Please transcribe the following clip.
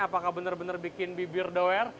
apakah benar benar bikin bibir doer